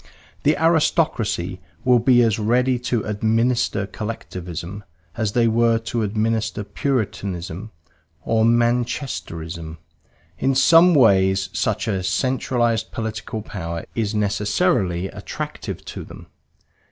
The aristocracy will be as ready to "administer" Collectivism as they were to administer Puritanism or Manchesterism; in some ways such a centralized political power is necessarily attractive to them.